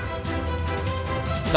untuk mencari mereka